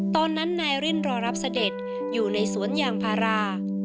ตอนนั้นนายรินรอรับเสด็จอยู่ในสวนยางพารา